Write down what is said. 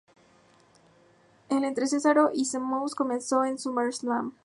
El entre Cesaro y Sheamus comenzó en SummerSlam.